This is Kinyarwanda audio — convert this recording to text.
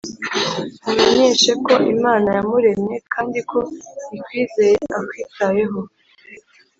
mumenyeshe ko imana yamuremye, kandi ko ikwizeye akwitayeho.